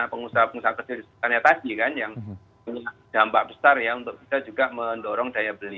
pengusaha pengusaha kecil di sekitarnya tadi kan yang punya dampak besar ya untuk bisa juga mendorong daya beli